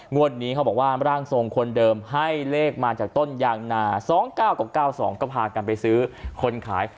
วันนี้เขาบอกว่าร่างทรงคนเดิมให้เลขมาจากต้นยางนา๒๙กับ๙๒ก็พากันไปซื้อคนขาย